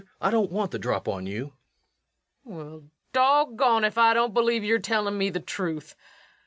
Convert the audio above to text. I don't want the drop on you. LUKE. Well, doggone if I don't believe yer tellin' me the truth.